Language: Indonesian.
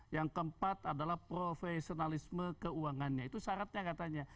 yang keempat adalah profesionalisme keuangannya itu syaratnya katanya